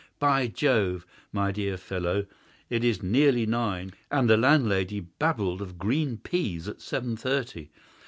By Jove! my dear fellow, it is nearly nine, and the landlady babbled of green peas at seven thirty.